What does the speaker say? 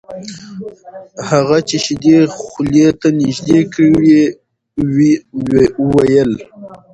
هغه چې شیدې خولې ته نږدې کړې ویې ویل: